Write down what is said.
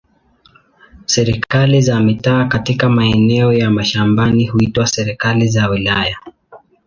Serikali za mitaa katika maeneo ya mashambani huitwa serikali za wilaya.